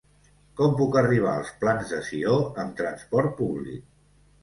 Com puc arribar als Plans de Sió amb trasport públic?